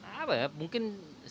apa ya mungkin sepuluh